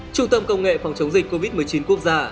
trung tâm công nghệ phòng chống dịch covid một mươi chín quốc gia